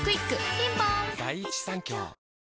ピンポーン